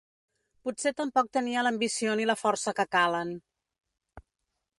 Potser tampoc tenia l’ambició ni la força que calen.